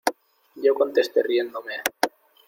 yo contesté riéndome: